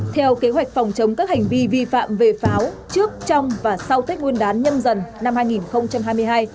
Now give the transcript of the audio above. theo kế hoạch phòng chống các hành vi vi phạm về pháo trước trong và sau tết nguyên đán nhâm dần năm hai nghìn hai mươi hai